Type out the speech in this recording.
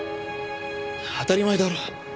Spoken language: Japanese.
当たり前だろ。